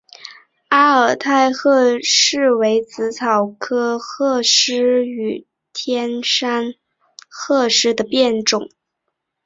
阿尔泰鹤虱为紫草科鹤虱属天山鹤虱的变种。